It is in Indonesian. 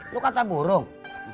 lo kata burung